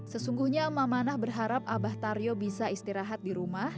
sesungguhnya mamana berharap abah taryo bisa istirahat di rumah